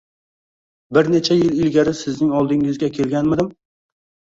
Bir necha yil ilgari sizning oldingizga kelganmidim?